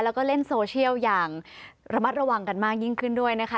แล้วก็เล่นโซเชียลอย่างระมัดระวังกันมากยิ่งขึ้นด้วยนะคะ